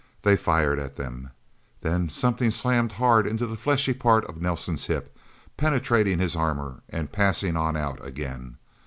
They fired at them. Then something slammed hard into the fleshy part of Nelsen's hip, penetrating his armor, and passing on out, again.